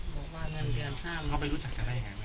เขาไปรู้จักจะได้ยังไงแม่